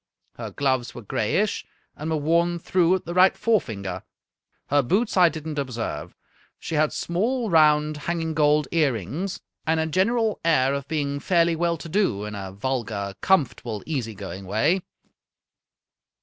Her gloves were grayish, and were worn through at the right forefinger. Her boots I didn't observe. She had small round, hanging gold earrings, and a general air 52 A. Conan Doyle of being fairly well to do, in a vulgar, comfortable, easy going way."